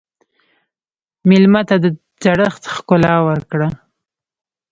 مېلمه ته د زړښت ښکلا ورکړه.